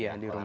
iya di rumah